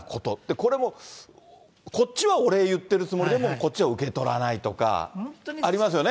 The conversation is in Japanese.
これもこっちはお礼言ってるつもりでも、こっちは受け取らないとか、ありますよね。